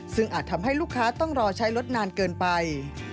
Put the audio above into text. ซึ่งอาจทำให้ลูกค้าต้องรอใช้รถนานเกินไป